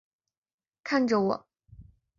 看着我